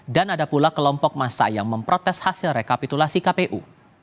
dan ada pula kelompok massa yang memprotes hasil rekapitulasi kpu